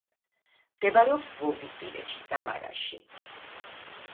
მდებარეობს ვოლგისპირეთში, სამარაში.